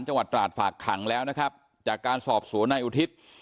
จังหวัดตราดฝากขังแล้วนะครับจากการสอบสวนนายอุทิศ